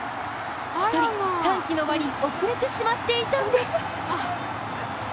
１人、歓喜の輪に遅れてしまっていたんです。